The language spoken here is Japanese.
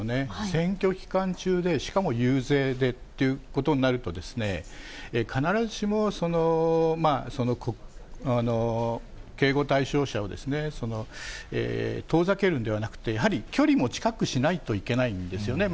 選挙期間中で、しかも遊説でっていうことになると、必ずしも、警護対象者を遠ざけるんではなくて、やはり距離も近くしないといけないんですよね。